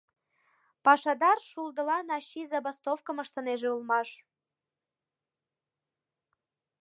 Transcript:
Пашадар шулдылан ачий забастовкым ыштынеже улмаш.